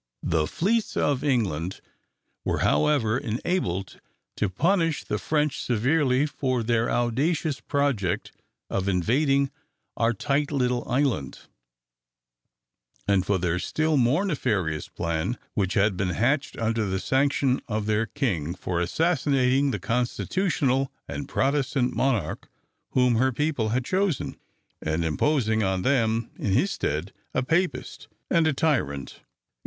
The fleets of England were, however, enabled to punish the French severely for their audacious project of invading our "tight little island," and for their still more nefarious plan, which had been hatched under the sanction of their king, for assassinating the constitutional and Protestant monarch whom her people had chosen, and imposing on them in his stead a Papist and a tyrant.